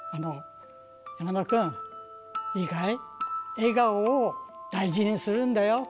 山田君、いいかい、笑顔を大事にするんだよ。